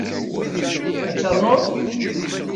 Ad ternuḍ?